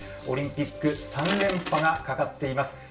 オリンピック３連覇がかかっています